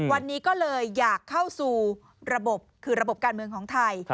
วันนี้ก็เลยอยากเข้าสู่ระบบคือระบบการเมืองของไทย